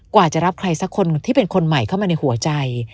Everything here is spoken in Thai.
กว่าจะรับใครสักคนที่เป็นคนใหม่เข้ามาในหัวใจ